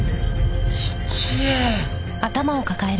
１円。